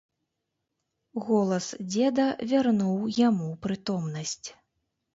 Голас дзеда вярнуў яму прытомнасць.